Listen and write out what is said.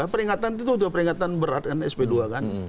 peringatan itu sudah peringatan berat kan sp dua kan